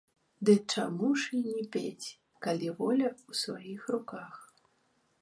Ды чаму ж і не пець, калі воля ў сваіх руках.